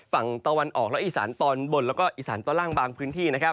ฝั่งตะวันออกและอีสานตอนบนแล้วก็อีสานตอนล่างบางพื้นที่